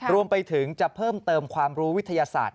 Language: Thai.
รวมไปถึงจะเพิ่มเติมความรู้วิทยาศาสตร์